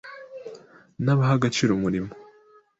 n d a b a h a a g a ciro u m urim o